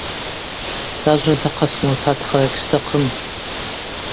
Сажвынтахъа смуртатхара гьстахъым.